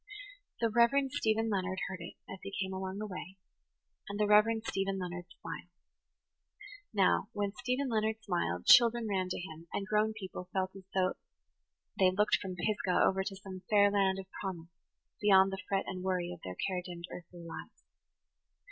The Reverend Stephen Leonard heard it, as he came along the way, and the Reverend Stephen Leonard smiled. Now, when Stephen Leonard [Page 88] smiled, children ran to him, and grown people felt as if they looked from Pisgah over to some fair land of promise beyond the fret and worry of their care dimmed earthly lives.